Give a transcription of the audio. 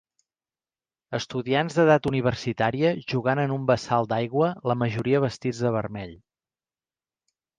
estudiants d'edat universitària jugant en un bassal d'aigua, la majoria vestits de vermell.